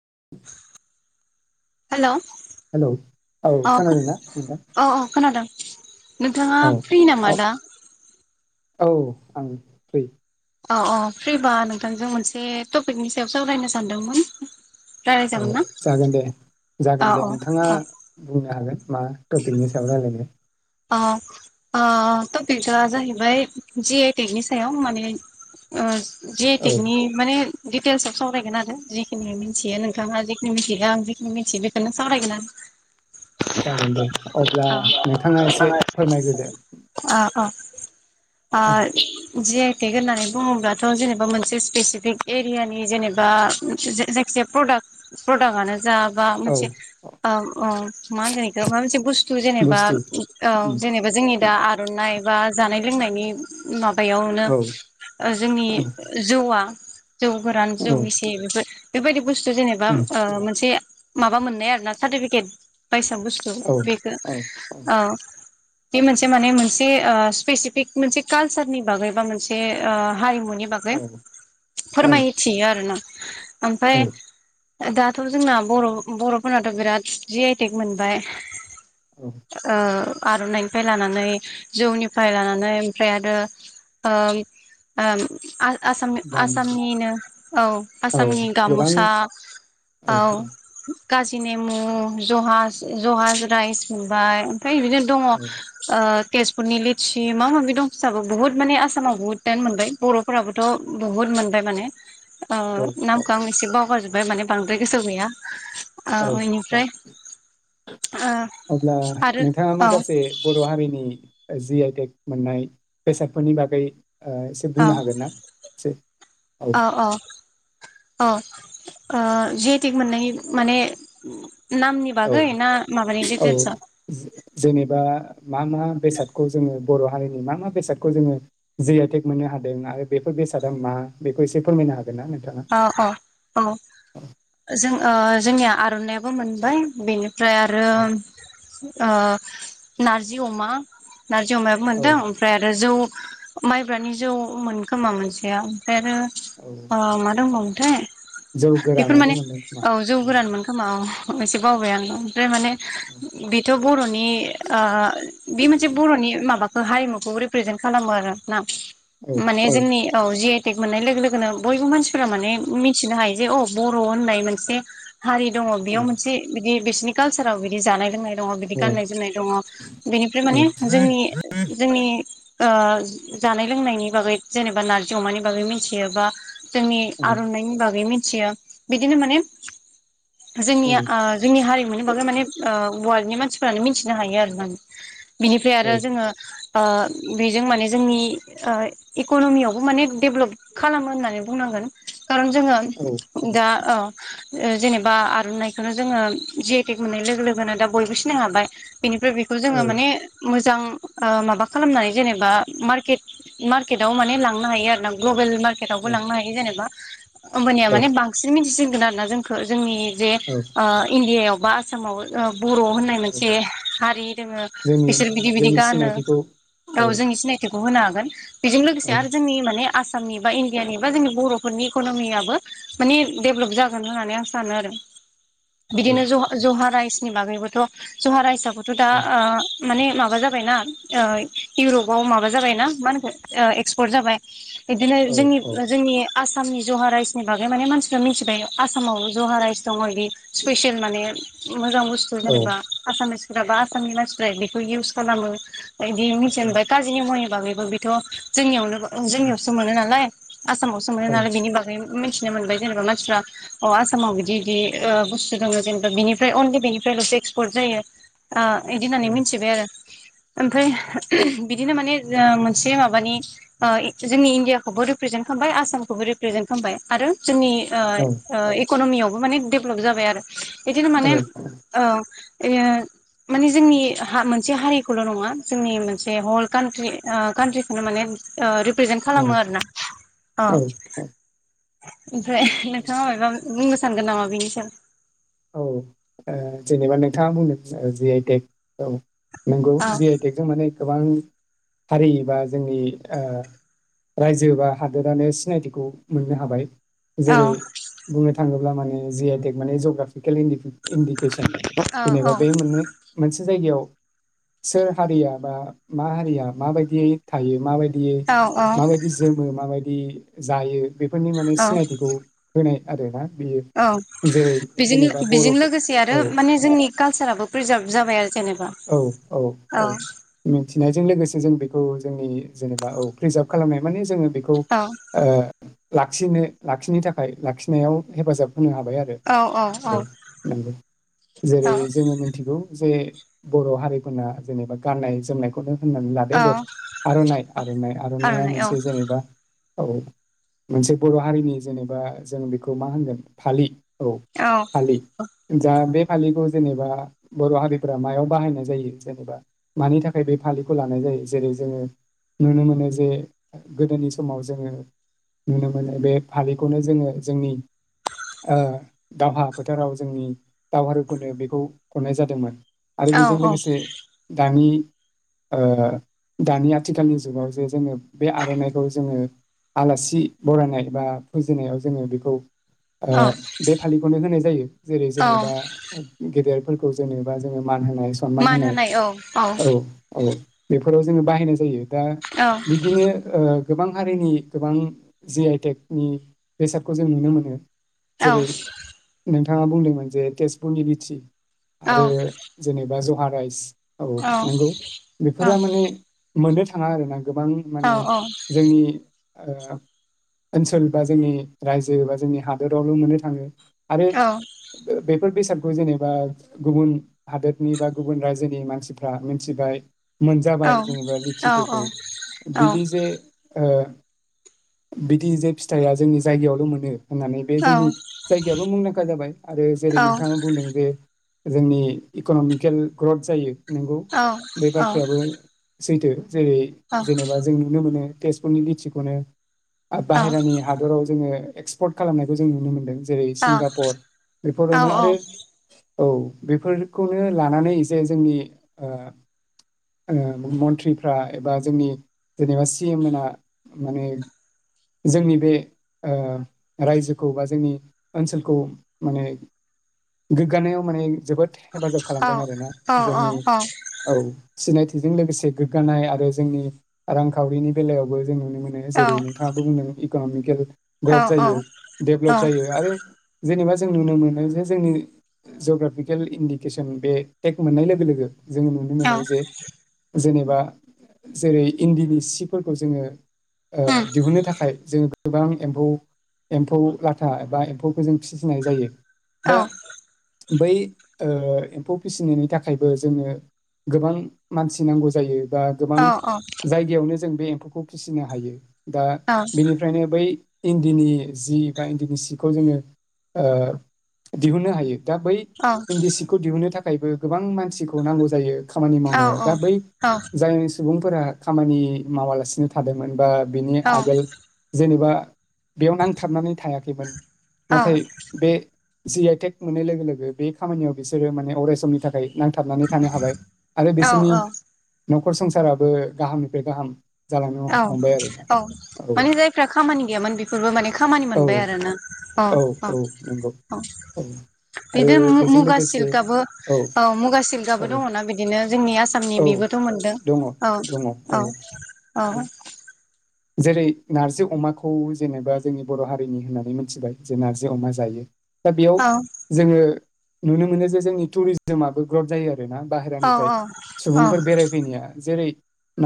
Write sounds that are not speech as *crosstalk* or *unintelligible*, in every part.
*inaudible* Hello. Hello औ खोनादोंना नोंथां। औ औ खोनादों नोंथाङा औ फ्रि औ नामा दा? औ आं फ्रि। अ- अ फ्रिबा नोंथांजों मोनसे टपिकनि सायाव सावरायनो सानदोंमोन। रायलाय औ जागोन ना जागोन दे। औ जागोन दे औ नोंथाङा। औ बुंनो हागोन। मा टपिकनि सायाव रायलायनो। अ-अ टपिकआ जाहैबाय जि आइटेकनि सायाव माने ओ जे औ आइथेगनि माने डिटेल्स आव सावरायगोन आरो जिखिनि मिथियो नोंथाङा जिखिनि मिन्थिया आं जिखिनि मिन्थियो बेखौनो सावरायगोन आरो। जागोन दे अब्ला नों थाङा एसे फोरमायग्रोदो। अ। आ। जि आइ टेक होननानै बुङोब्लाथ' जेनेबा मोनसे स्पेसिफिक एरियानि जेनेबा जायखिजाया प्रडाक्ट प्रडाक्टआनो जा बा औ मोनसे मा ओ ओ होनगोखौ मा मोनसे बुस्थु जेनेबा बुस्थु औ उम, जेनेबा जोंनि दा आर'नाइ बा जानाय लोंनायनि माबायावनो औ जोंनि औ जौआ जौ गोरान औ जौ बेसे बेफोर बेबायदि बुस्थु जेनेबा औ ओ मोनसे माबा मोननाय आरो ना सार्टिफिकेट बाय साबुस्थु औ बेखो औ बे मोनसे माने मोनसे ओ स्पेसिफिक मोनसे कालचारनि बागै बा मोनसे ओ हारिमु नि बागै औ फोरमायथियो आरोना ओमफाय दाथ' जोंना बर'-बर'फोरनाथ' बिराद जि आइटेक मोनबाय। औ। ओ आर'नाइनिफ्राय लानानै जौनिफ्राय लानानै ओमफ्राय आरो ओ ओ ओम आ दामजु आसाम-आसामनिनो औ औ आसामनि गोबां गाम'सा औ काजि नेमु जहाज जहाज राइस बा फ्राय बिदिनो दङ ओ तेजपुरनि लिचि माबा माबि दं फिसाबो बुहुत मानानि आसामाव बुहुद दा मोनबाय बर'फोराबोथ' बुहुत मोनबाय माने अ औ नामखौ एसे बावगारजोब *unintelligible* माने बांद्राय गोसोआव गैया। औ एनिफ्राय ओ। ओ आरो नोंथाङा माखासे बर' हारिनि जि आइटेक मोननाय बेसादफोरनि बागै। ओ एसे औ बुंनो हागोन ना एसे औ। औ ओ जिहेतिक मोननाय माने। नामनि औ बागै ना माबानि औ डिटेल्सआ जेनेबा मा मा बेसादखौ जोङो बर हारिनि मा मा बेसादखौ जोङो जि आइ टेक मोननो हादों आरो बेफोर बेसादा मा बेखौ एसे फोरमायनो हागोन ना नोंथाङा औ अ औ जों ओ-जोंनिया आरनायाबो मोनबाय बेनि फ्राय आरो ओ नारजि अमा नारजि अमायाबो औ मोन्दों ओमफ्राय आरो जौ माइब्रानि जौमोन खोमा मोनसेया। *unintelligible* आरो औ अ *unintelligible* दंबावो मोनथाय जौ बेफोर गोरानाबो माने मोनदों खोमा औ जौ गोरान मोन खोमा औ। एसे बावबाय आं। ओमफ्राय माने बिथ बरनि आ बे मोनसे बरनि माबा। हारिमुखौ रिप्रेजेन्ट खालामो आरो ना। औ माने औ जोंनि औ जि टेक मोननाय लोगो लोगोन बयबो मानसि फोरा माने मिथिनो हायो जे अ बर होननाय मोनसे। हारि दङ औ बेयाव मोनसे। बिसिनि कालसाराव बिदि जानाय लोंनाय। दङ बिदि औ गाननाय जोमनाय दङ बेनिफ्राय औ माने जोंनि जोंनि। ओ जानाय लोंनायनि बागै जेनेबा नारजि अमानि बागै मिथियो बा। जोंनि औ आरनाइनि बागै मि *unintelligible* बिदिनो माने औ जोंनि आ जोंनि हारिमुनि बागै माने ओ वाल्डनि मानसिफोरानो मिथिनो हायो आरो ना। बिनिफ्राय औ आरो जोङो ओ-बेजों माने जोंनि ओ- इकनमियावबो माने डेभलप खालामो होननानै। बुंनांगोन खारन जोङो दा-ओ ओ जेनेबा आरनाइखौनो जोङो जि आइ टेग मोननाय लोगो लोगोनो दा बयबो सिनायनो हाबय। बेनिफ्राय बेखौ जोङो माने मोज मोजां माबा खालामनानै जेनेबा मारकेट मार्केटआव माने लांनो हायो आरोना ग्लबेलमारकेट बो लांनो हायो जेनबा। होमबानिया औ माने बांसिन मिथिसिन खोनादोना जोंखो जोंनि जे औ ओ इण्डियायाव बा आसामावबो ओ। बर' होननाय औ मोनसे हारि दोङो जोंनि बिसोर बिदि बिदि जोंनि गानो सिनायथिखौ औ जोंनि सिनायथि खौ होनोहागोन। बेजों लोगोसे औ आरो जोंनि माने आसामनि बाय डियानि बा जोंनि बर'फोरनि इक'नमियाबो माने डेभलप जागोन होननानै आं सानो आरो। औ बिदिनो जहा जहा राइस नि बागैबोथ' जहा राइसा बोथ' दा औ ओ माने माबा जाबायना ओ इउरपाव माबा जाबायना मा होनोखो ओ एक्सपर्ट जाबाय। बिदिनो औ जोंनि जोंनि आसामनि जहा राइसनि बागै माने मानसिफ्रा मिथिबाय आसामाव जहा राइस दङ इदि स्पेसियेल माने मोजां बुस्थु औ जेनेबा आसामिस फोराबा आसामनि मानसिफ्रा बेखौ इउस खालामो। एदि औ मिथियानबाय कारजि निमुनि बागै बो बेथ' जोंनियावनो जोंनियावसो मोनो नालाय। आसामावसो मोनो औ नालाइ बिनि बागै मिथिनो मोनबाय जेनेबा मानसिफ्रा अ आसामाव बिदि दि ओ बुस्थु दङो जेनेबा बिनिफ्राय अनलि बिनिफ्रायल'सो एक्सपर्ट जायो। ओ इदि होननानै मिथिबाय आरो। ओमफ्राय बिदिनो माने ओ मोनसे माबानि ओ जोंनि इण्डियाखौबो रि प्रेजेन्ट खामबाय आसामखौबो रिप्रेजेन्ट खामबाय आरो। जोंनि ओ ओ इ कन'मियावबो माने डेभलप जाबाय आरो। बिदिनो माने औ ओ एओ माने जोंनि हा मोनसे हारिखौल' नङा जोंनि मोनसे हल कान्ट्रि ओ कान्ट्रिखौनो माने ओ रिप्रेजेन्ट औ खालामो आरो ना। अ औ ओमफ्राय नोंथाङा मायबा बुंनो सानगोन नामा बेनिसायाव औ ओ जेनेबा नोंथाङा बुंदों जि आइ टेक औ नोंगौ सायाव जि आइ टेक जों माने गोबां हारि बा जोंनि ओ रायजो बा हादोरानो सिनायथिखौ मोननो हाबाय औ जेरै बुंनो थाङो ब्लामाने जि आइ टेग माने जौगा केलेन दिपि इन्डिकेसन औ जेनेबा बे मोननै मोनसे जायगायाव सोर हारिया बा मा हारिया माबायदियै थायो माबाय यि माबायदि जोमो माबाय दि जायो बेफोरनि माने औ सिनायथिखौ होनाय आरोना बियो औ जेरै बेजों जेनेबा लोग बर' बेजों लोगोसे आरो औ माने जोंनि कालसाराबो प्रिजार्भ जाबाय आरो जेन औ औ औ मिथिनायजों लोगोसे जों बेखौ जोंनि जेनेबा औ प्रिजार्भ खालामनाय माने जों बेखौ ओ औ ला लाखिनो लाखिनो थाखाय लाखिनायाव हेफाजाब होनो हाबाय आरो औ नोंगौ जेरै जोङो मिथिगौ जे बर' हारिफोरना जेनेबा गाननाय जोमनायखौनो होननानै औ लादो दख आर'नाइ आर'नाइ आर'नाइआ आर'नाइ औ मोनसे जेनेबा औ मोनसे बर' हारिनि जेनेबा जों बेखौ मा होनगोन फालि औ फालि जा बे फालिखौ जेनेबा बर' हारिफोरा मायाव बाहायनाय जायो जेनेबा मानि थाखाय बे फालिखौ लानाय जायो जेरै जोङो नुनो मोनो जे गोदोनि समाव जोङो नुनो मोनो बे फालिखौनो जोङो जोंनि ओ दावहा फोथाराव जोंनि दावहारुफोरनो बेखौ हरनाय जादोंमोन आरो औ बेजों लोगोसे दानि ओ दानि आथिखालनि जुगाव जे जोङो बे आर'नाइखौ जोङो आलासि बरायनाय बा फुजिनायाव जोङो बेखौ ओ औ बे फालिखौनो होनाय जायो जेरै औ जेनेबा गेदेर फोरखौ जेनेबा जोङो मानहो नाय समान होनाय औ औ बेफोराव जोङो बाहायनाय जायो दा औ बिदिनो ओ गोबां हारिनि गोबां जि आइटेकनि बेसादखौ जों नुनो मोनो औ जेरै नों थांङा बुंदोंमोन जे तेजपुरनि बिथिं औ औ आरो बा जहा राइस औ नंगौ बेफोरा माने मोननो थांङा आरो ना गोबां माने जोंनि ओ ओनसोल बा जोंनि रायजो बा जोंनि हादरावल मोननो थांङो आरो ओ बेफोर बेसाद खौ जेनेबा गुबुन हादोदनि बा गुबुन रायजोनि मानसिफ्रा मिथिबाय मोनजाबाय जेनेबा लिचिफोरखौ बिदि जे बिदि जे फिथाइया जोंनि जायगायावल' मोनो होननानै बे जोंनि जायगायाबो मुंदांखा जाबाय आरो जेरै नोंथाङा बुंदों जे जोंनि इक'नमिकेल ग्रौथ जायो नंगौ बे बाथ्रायाबो सैथो जेरै जेनेबा जों नुनो मोनो तेजपुरनि लिचिखनो आ बाहेरानि हादराव जोंङो एक्सपर्ट खालामनायखौ जों नुनो मोन्दों जेरै सिंगापट बेफोरावनो आरो औ बेफोर बेखौनो लानानै जे जोंनि ओ मन्थ्रिफ्रा एबा जोंनि जेनेबा सि एम मोना माने जोंनि बे ओ रायजोखौ बा जोंनि ओनसोलखौ माने गोग्गानायाव माने जोबोद हेफाजाब खालामदों आरोना जोंनि औ सिनायथि जों लोगोसे गोग्गानाय आरो जोंनि रांखावरिनि बेलायावबो जोंनि मोनो जेरै नोंथांङाबो बुंदों गामिकेल ग्रथ जायो डेभ्लप जायो आरो जेनेबा जों नुनो मोनो जे जोंनि जग्राफिकेल इडिक केसन बे टेक मोननाय लोगो लोगो जोंङो नुनो मोनो जे जेनेबा बा जेरै इन्दिनि सिफोरखौ जोङो ओ दिहुननो थाखाय जोङो गोबां एम्फौ एम्फौ लाथा एबा एम्फौखौ जों फिसिनाय जायो दा औ। बै ओ एम्फौ फिसिनायनि थाखायबो जोंनो गोबां मानसि नांगौ जायो। बा गोबां जायगायावनो जों बे एम्फौखौ फिसिनो हायो। दा बिनिफ्रायनो बै इन्दिनि जि बा इन्दिनि सिखौ जोङो ओ दिहुननो हायो। दा बै इन्दि सिखौ दिहुननो थाखायबो गोबां मानसिखौ नांगौ जायो। खामानि मावनायाव दा बै औ-औ-औ-औ-औ-औ-औ-औ-औ-औ जाय सुबुंफोरा खामानि माबालासिनो थादोंमोन बा बिनि आगोल जेनेबा बेयावनो नांथाबनानै थायाखैमोन नाथाय बे जि आइटेक मोननाय लोगो लोगो बे खामानियाव बिसोरो माने अराय समनि थाखाय नांथाबनानै थानो हाबाय। आरो बिसोरनि नखर संसाराबो गाहामनिफ्राय गाहाम जालांनो औ हमबाय आरोना औ। औ माने जायफ्रा खामानि गैयामोन बेफोरबो माने खामानि औ मोनबाय आरोना? औ औ औ‌ औ आरो बिदि बेजों मुगा लोगोसे सिल्कआबो औ मुगा सिल्कआबो औ दङना बिदिनो जोंनि आसामनि औ बेबोथ' मोनदों दङ दङ औ औ। अ। जेरै नारजि अमाखौ जेनेबा जोंनि बर' हारिनि होननानै मिथिबाय जे नारजि अमा जायो दा बेयाव जोङो नुनो मोनो जे जोंनि टुरिजोमाबो ग्रद जायो आ रोना बाहेरानिफ्राय सुबुंफोर बेरायफैनाया जेरै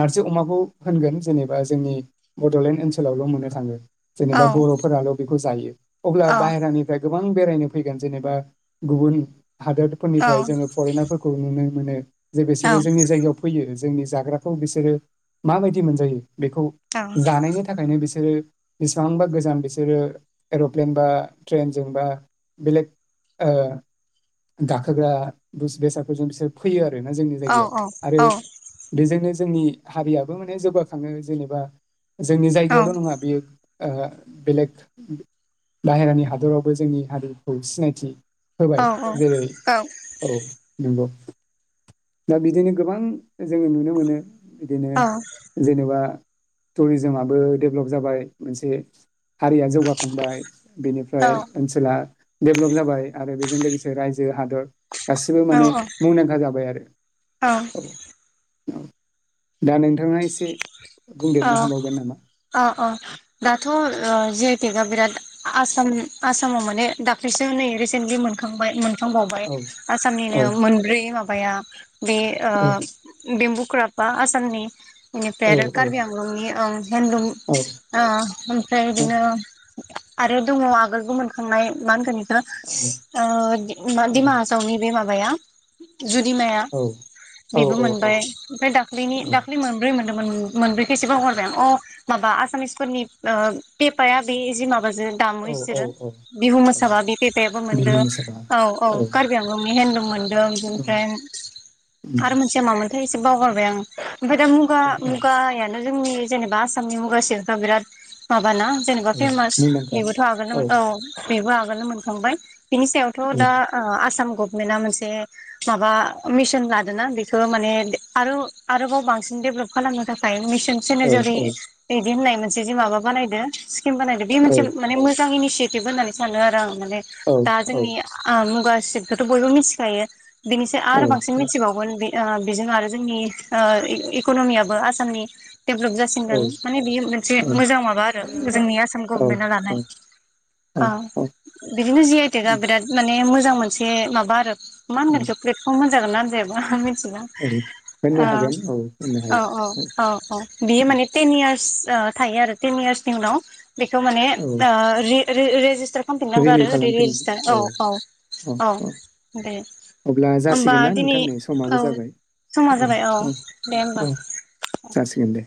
नारजि अमाखौ होनगोन जेनेबा जोंनि बड'लेण्ड ओनसोलावल' मोननो थाङो। जेनेबा बर'फोराल' बेखौ जायो। अब्ला बाहेरानिफ्राय गो बां बेरायनो फैगोन जेनेबा गुबुन हादोरफोरनिफ्राय जोङो फरेेनारफोरखौ नुनो मोनो। जे बिसोरो जोंनि जायगायाव फैयो जोंनि जाग्राखौ बिसोरो माबायदि मोनजायो बेखौ औ-औ-औ-औ-औ-औ-औ-औ-औ-औ-औ-औ-औ-औ-औ-औ-औ-औ-औ-औ-औ-औ-औ-औ-औ-औ जानायनि थाखायनो बिसोरो बेसेबांबा गोजान बिसोरो एरप्लेन बा ट्रेनजों बा बेलेग ओ गाखोग्रा बिस बेसादफोरजों बिसोर फैयो आरो। *unintelligible* जोंनि जायगायाव आरो बेजोंनो जोंनि हारियाबो माने जौगाखाङो जेनेबा जोंनि जायगायावल' नङा बेयो ओहो बेलेग बाहेरानि हादरावबो जोंनि हारिखौ सिनायथि होबाय जेरै औ नंगौ। दा बिदिनो गोबां जोङो नुनो मोनो बिदिनो जेनेबा टुरिजोमाबो डेभलप जाबाय मोनसे हारिया जौगाखांबाय बेनिफ्राय ओनसोला डेभलप जाबाय आरो बेजों लोगोसे रायजो हादर गासिबो माने मुंदांखा जाबाय आरो। औ *unintelligible* दा नोंथाङा एसे से बुंदेरनो हाबावगोन नामा? थ' ओ जि आइ टेगआ बिराद आसाम आसामाव माने दाख्लैसो नै रिसेन्टलि मोनखांबाय मोन खांबावबाय औ औ आसामनिनो मोनब्रै माब *unintelligible* बे ओ औ बेम्बु क्राफा आसामनि इनिफ्राय औ आरो औ कार्बि आंलंनि ओम हेन्दलुम औ ओ ओमफ्राय औ दिनो आरो दङ आगोलबो मोनखांनाय मा होनगोन इख हो औ औ ओ दि मा औ डिमाहासावनि बे माब माया जुदिमाया औ बेबो मोनबाय ओमफ्राय दाख्लैनि दाख्लै मोन मोनदोंमोन उम मोनब्रैखौ एसे बावगारबाय आं अ माबा आसामिसफोरनि ओ पेपाया बे जिस माब *unintelligible* जो दामो औ औ इसोरो औ बिहु औ मोसाबा बे पेपायाबो मोनदो बिहु मोसाबा औ औ कार्बि आंलंनि हेनलु मोन दों बिनिफ्राय उम आरो मोनसेया मामोन *unintelligible* एसे बावगारबाय आं ओमफ्राय दा *unintelligible* औ जोंनि जेनेबा आसामनि मुगा सिल्कआ बिराद माब ना जेनेबा औ फेमास मुंदांखा बेबोथ' आगालनोमोन औ बेबो आगो मोनखांबाय बिनि सायावथ' औ दा आसाम गभ मेना मोनसे माबा मिशन लादों ना बेखौ माने आरो आरोबाव बांसिन डेभलप खालामनो थाखाय मिस सन सिना औ जुरि औ बिदि होननाय मोनसे जि माबा बानायदो केम बानायदो बे औ मोनसे माने मोजां इनिस एथिब होन्नानै सानो आरो आं। माने दा जोंनि आ मुगा सेतखौथ' बयबो मिथिखायो। बिनिसै आरो बांसिन मिथिबावगोन बे ओ बेजों आरो जोंनि ओ इकन'मियाबो आसामनि डेभलप जासिनगोन माने बियो मोनसे मोजां माबा आरो जोंनि आसाम गभमेन्टा लानाय ओ औ बिदिनो जि आइ टेकआ बिराद माने मोज मोजां मोनसे माबा आरो मान औ होनगोन इखौ प्लेटफर्म जागोनना जायाबा। औ होननो हागोन औ। होननो औ हायो औ औ औ बियो माने टेनि यारस थायो आरो टेन इयार्सनि उनाव बेखौ माने औ ओ रि रे रेजिस टार खामफिननांगौ रिनिउ आरो रै खालामफिन रेजिस्टार औ औ औ दे अब्ला होमबा जासिगोन ना दिनै नोंथां नै औ समाबो जाबाय समा जाबाय औ। दे होमबा औ जासिगोन दे।